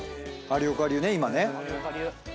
有岡流ね今ね。